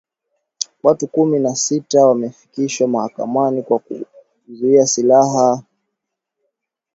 Watu kumi na sita wamefikishwa mahakamani kwa kuwauzia silaha wanamgambo huko